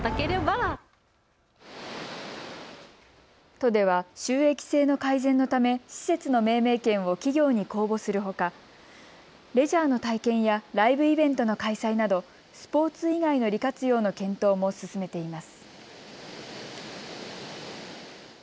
都では収益性の改善のため施設の命名権を企業に公募するほかレジャーの体験やライブイベントの開催などスポーツ以外の利活用の検討も進めています。